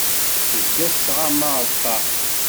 Tezga tettɣama ar ṭṭaq.